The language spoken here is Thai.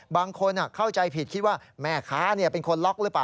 บางคนเข้าใจผิดคิดว่าแม่ค้าเป็นคนล็อกหรือเปล่า